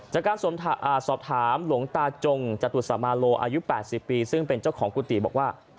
จากการสอบถามหลวงตาจงจตุสมาโลอายุ๘๐ปีซึ่งเป็นเจ้าของกุฏิบอกว่า